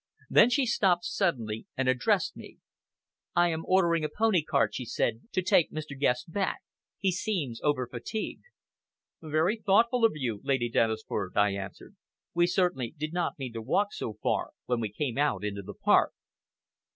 Then she stopped suddenly and addressed me. "I am ordering a pony cart," she said, "to take Mr. Guest back. He seems over fatigued." "Very thoughtful of you, Lady Dennisford," I answered. "We certainly did not mean to walk so far when we came out into the park."